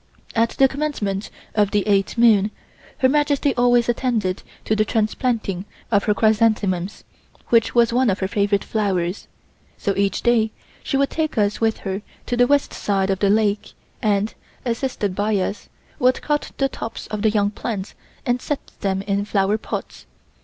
At the commencement of the eighth moon, Her Majesty always attended to the transplanting of her chrysanthemums, which was one of her favorite flowers, so each day she would take us with her to the west side of the lake and, assisted by us, would cut the tops of the young plants and set them in flower pots.